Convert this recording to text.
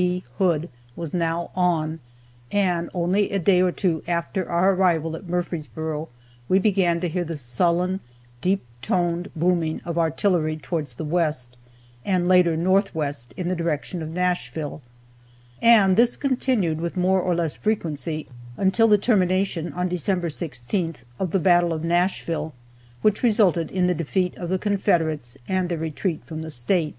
B. Hood was now on, and only a day or two after our arrival at Murfreesboro we began to hear the sullen, deep toned booming of artillery towards the west, and later north west in the direction of Nashville. And this continued, with more or less frequency, until the termination, on December 16th, of the battle of Nashville, which resulted in the defeat of the Confederates, and their retreat from the State.